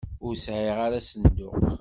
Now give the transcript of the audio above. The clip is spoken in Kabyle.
Ur sɛiɣ ara asenduq.